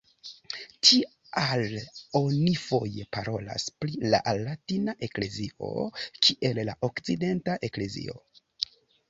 Tial oni foje parolas pri la latina eklezio kiel "la okcidenta eklezio".